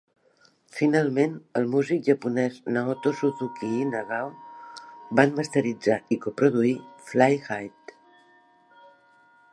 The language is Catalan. Finalment, el músic japonès Naoto Suzuki i Nagao van masteritzar i coproduir "Fly High".